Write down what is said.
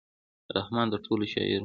رحمان د ټولو شاعر و.